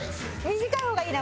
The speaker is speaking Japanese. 短い方がいいな。